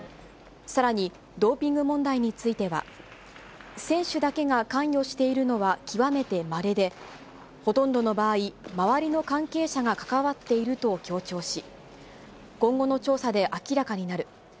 さらに、ドーピング問題については、選手だけが関与しているのは極めてまれで、ほとんどの場合、周りの関係者が関わっていると強調し、今後の調査で明らかになる。